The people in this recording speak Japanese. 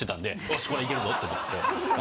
よしこれはいけるぞって思って。